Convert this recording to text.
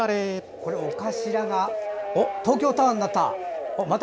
これ、尾頭が東京タワーになった。